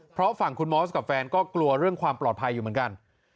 เพราะฝั่งคุณมอสกับแฟนก็กลัวเรื่องความปลอดภัยอยู่เหมือนกัน